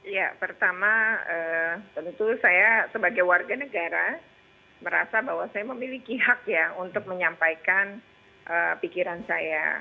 ya pertama tentu saya sebagai warga negara merasa bahwa saya memiliki hak ya untuk menyampaikan pikiran saya